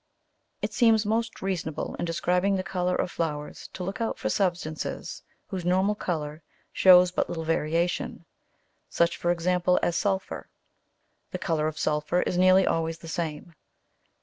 It seems most reasonable in describing the colour of flowers to look out for substances whose normal colour shows but little variation such, for example, as sulphur. The colour of sulphur is nearly always the same.